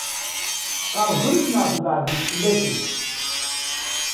Tqeṛbemt neɣ tbeɛdemt fell-asent?